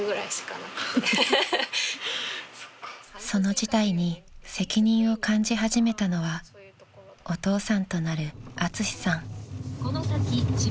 ［その事態に責任を感じ始めたのはお父さんとなるアツシさん］